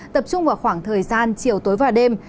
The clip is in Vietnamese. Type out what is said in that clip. tập trung vào khoảng thời gian chiều tối và đêm